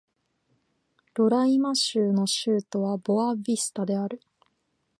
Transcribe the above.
ロライマ州の州都はボア・ヴィスタである